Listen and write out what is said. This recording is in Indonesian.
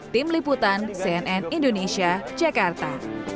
tim liputan cnn indonesia jakarta